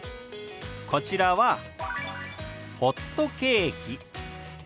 こちらは「ホットケーキ」。